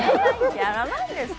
やらないんですか。